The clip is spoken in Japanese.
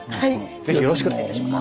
是非よろしくお願いいたします。